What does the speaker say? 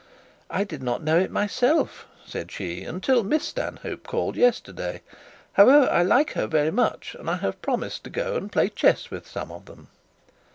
'I did not know it myself,' said she, 'till Miss Stanhope called yesterday. However, I like her very much, and I have promised to go and play chess with some of them.'